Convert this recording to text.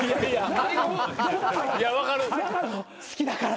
好きだから。